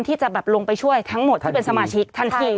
ที่จะแบบลงไปช่วยทั้งหมดที่เป็นสมาชิกทันที